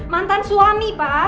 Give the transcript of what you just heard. mantan suami pak